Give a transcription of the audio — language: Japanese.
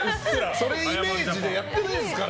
それイメージでやってないですから。